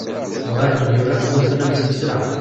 Uɣalen yemyurar ttnuzun amzun d sselɛa.